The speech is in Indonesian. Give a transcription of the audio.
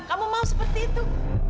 kamu mau seperti itu